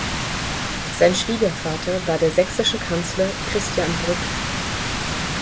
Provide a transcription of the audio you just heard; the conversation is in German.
Sein Schwiegervater war der sächsische Kanzler Christian Brück.